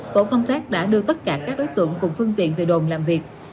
tổ công tác đã đưa tất cả các đối tượng cùng phương tiện về đồn làm việc